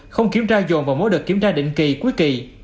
không kiểm tra dồn vào mỗi đợt kiểm tra định kỳ cuối kỳ